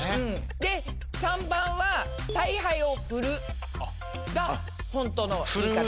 で③番は「采配を振る」が本当の言い方。